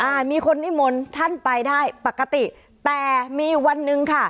อ่ามีคนนิมนต์ท่านไปได้ปกติแต่มีวันหนึ่งค่ะ